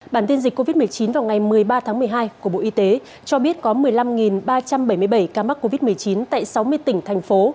bản tin dịch covid một mươi chín vào ngày một mươi ba tháng một mươi hai của bộ y tế cho biết có một mươi năm ba trăm bảy mươi bảy ca mắc covid một mươi chín tại sáu mươi tỉnh thành phố